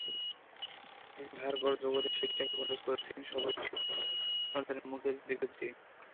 ধার-কর্জ করে সেই টাকা খরচ করেছিলেন সদ্যোজাত সন্তানের মুখের দিকে চেয়ে।